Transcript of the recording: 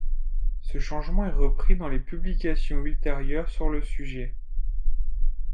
Ce changement est repris dans les publications ultérieures sur le sujet.